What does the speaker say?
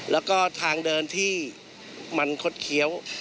แล้วก็ทางเดินที่มันคดเคี้ยว